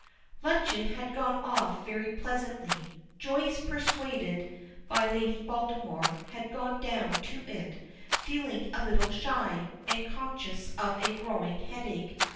Luncheon has gone off very pleasantly. Joyce, persuaded by Lady Baltimore, had gone down to it, feeling a little shy, and conscious of a growing headache.